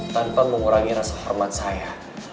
tanpa mengurangi rasa hormat saya